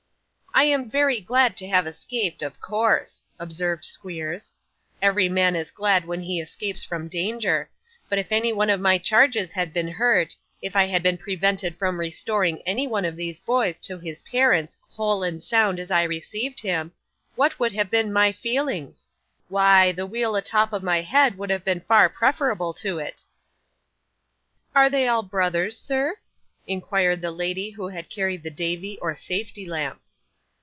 'I am very glad to have escaped, of course,' observed Squeers: 'every man is glad when he escapes from danger; but if any one of my charges had been hurt if I had been prevented from restoring any one of these little boys to his parents whole and sound as I received him what would have been my feelings? Why the wheel a top of my head would have been far preferable to it.' 'Are they all brothers, sir?' inquired the lady who had carried the 'Davy' or safety lamp.